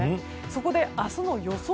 そこで明日の予想